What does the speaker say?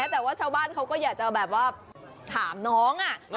แต่ว่าชาวบ้านเขาก็อยากจะแบบว่าถามน้อง